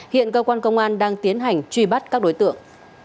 hiện cơ quan công an đang tiến hành truy bắt các đối tượng